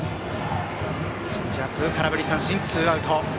チェンジアップ、空振り三振ツーアウト。